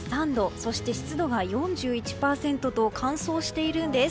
そして湿度は４１％と乾燥しているんです。